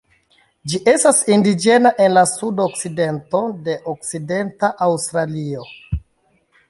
Ĝi estas indiĝena en la sudokcidento de Okcidenta Aŭstralio.